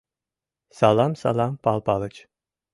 — Салам, салам, Пал Палыч!